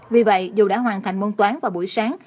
vì vậy dù đã hoàn thành môn toán vào buổi sáng